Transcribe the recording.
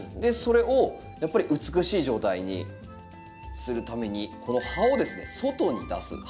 それをやっぱり美しい状態にするためにこの葉をですね外に出す。